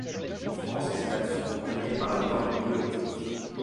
En France ces actions sont encadrées par la loi de bio-éthique.